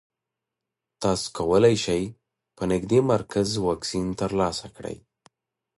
تاسو کولی شئ په نږدې مرکز واکسین ترلاسه کړئ.